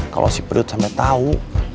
kalau si perut sampai tahu